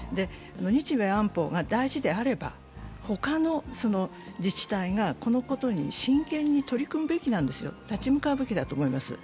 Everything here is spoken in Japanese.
日米安保が大事であれば、他の自治体がこのことに真剣に取り組むべきなんですよ、立ち向かうべきだと思います。